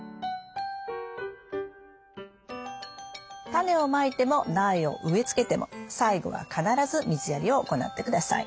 タネをまいても苗を植え付けても最後は必ず水やりを行ってください。